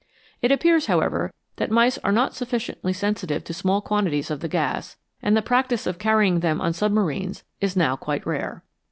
It appears, however, that mice are not sufficiently sensitive to small quantities of the gas, and the practice of carry ing them on submarines is now quite rare.